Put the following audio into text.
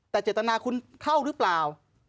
แต่เจตนาคุณเข้าหรือเปล่า